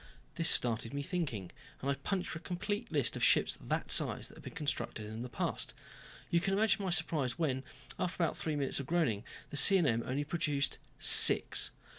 This started me thinking and I punched for a complete list of ships that size that had been constructed in the past. You can imagine my surprise when, after three minutes of groaning, the C & M only produced six.